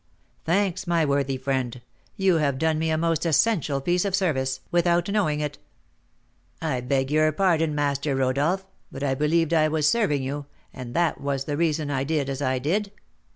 "Thanks, my worthy friend, you have done me a most essential piece of service, without knowing it." "I beg your pardon, Master Rodolph, but I believed I was serving you, and that was the reason I did as I did."